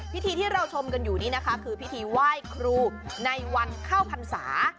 พิธีที่เราชมกันอยู่นี่นะคะคือพิธีไหว้ครูในวันเข้าพรรษา